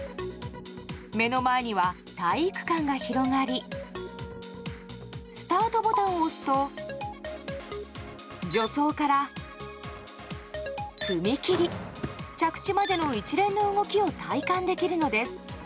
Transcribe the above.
目の前には体育館が広がりスタートボタンを押すと助走から踏み切り着地までの一連の動きを体感できるのです。